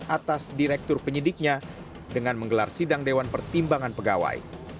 atas direktur penyidiknya dengan menggelar sidang dewan pertimbangan pegawai